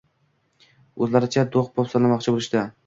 Oʻzlaricha doʻpposlamoqchi bo'lishdi.